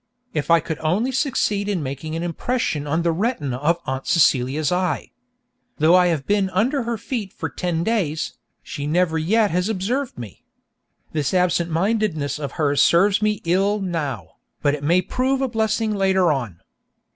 If I could only succeed in making an impression on the retina of Aunt Celia's eye! Though I have been under her feet for ten days, she never yet has observed me. This absent mindedness of hers serves me ill now, but it may prove a blessing later on.